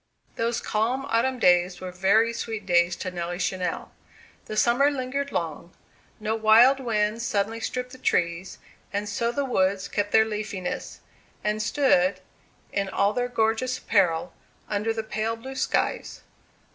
Those calm autumn days were very sweet days to Nelly Channell. The summer lingered long; no wild winds suddenly stripped the trees, and so the woods kept their leafiness, and stood, in all their gorgeous apparel, under the pale blue skies.